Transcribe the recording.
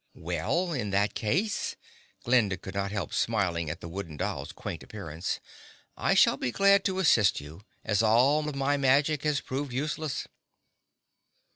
"Well, in that case," Glinda could not help smiling at the Wooden Doll's quaint appearance, "I shall be glad to assist you, as all of my magic has proved useless."